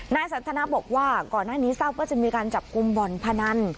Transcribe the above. สันทนาบอกว่าก่อนหน้านี้ทราบว่าจะมีการจับกลุ่มบ่อนพนัน